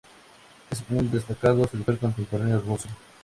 Es un destacado escritor contemporáneo ruso.